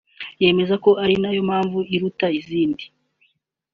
yemeza ko ari yo mpano iruta izindi